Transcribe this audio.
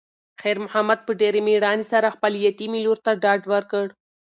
خیر محمد په ډېرې مېړانې سره خپلې یتیمې لور ته ډاډ ورکړ.